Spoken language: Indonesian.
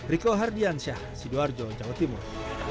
riko hardiansyah sidoarjo jawa timur